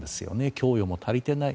供与も足りていない。